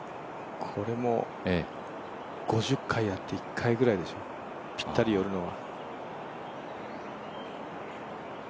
これも５０回やって１回ぐらいでしょう、ぴったり寄るのは。